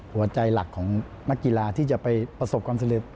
หัวใจหลักของนักกีฬาที่จะไปประสบความสำเร็จ